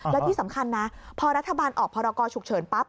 และที่สำคัญนะพอรัฐบาลออกพรกรฉุกเฉินปั๊บ